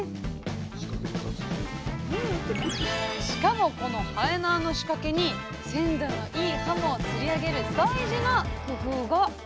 しかもこの延縄の仕掛けに鮮度のいいはもを釣り上げる大事な工夫が。